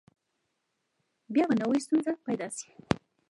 بیا به نوي ستونزې پیدا شي.